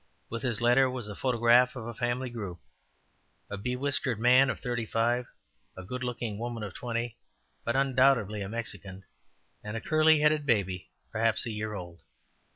With his letter was a photograph of a family group a be whiskered man of thirty five, a good looking woman of twenty, but undoubtedly a Mexican, and a curly headed baby, perhaps a year old.